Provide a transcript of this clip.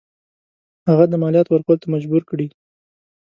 هغه د مالیاتو ورکولو ته مجبور کړي.